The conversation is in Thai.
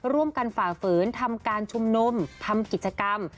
ร่วมกันฝากฝืนทำการชุมนมทำกิจกรรม